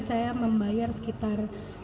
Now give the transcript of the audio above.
saya membayar sekitar